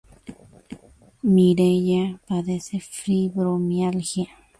Mireia padece fibromialgia.